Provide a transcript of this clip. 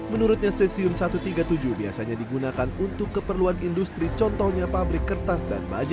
menurutnya cesium satu ratus tiga puluh tujuh biasanya digunakan untuk keperluan industri contohnya pabrik kertas dan baja